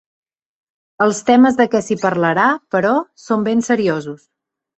Els temes de què s’hi parlarà, però, són ben seriosos.